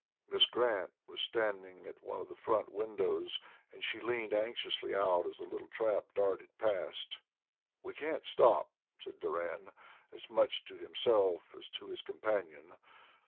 Miss Grant was standing at one of the front windows and she leaned anxiously out as the little trap darted past. "We can't stop," said Doran, as much to himself as to his companion.